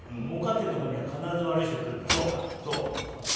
もうかっているところには必ず悪い人が来るから。